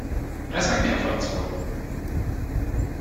Ez meg mi a franc volt?